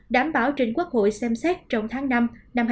đảm bảo trình quốc hội xem xét trong tháng năm năm hai nghìn hai mươi bốn